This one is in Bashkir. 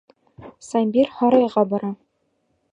Сабир Һарайға бара.